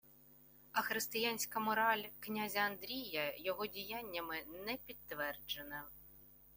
А християнська мораль князя Андрія його діяннями не підтверджена